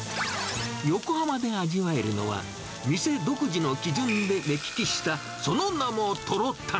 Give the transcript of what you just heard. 横浜で味わえるのは、店独自の基準で目利きした、その名もトロタン。